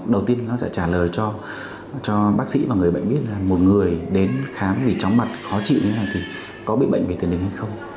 đầu tiên nó sẽ trả lời cho bác sĩ và người bệnh biết là một người đến khám vì chóng mặt khó chịu như thế này thì có bị bệnh về tiền đình hay không